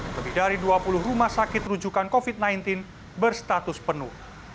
lebih dari dua puluh rumah sakit rujukan covid sembilan belas berstatus penuh